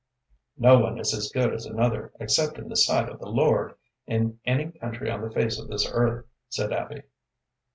"No one is as good as another, except in the sight of the Lord, in any country on the face of this earth," said Abby.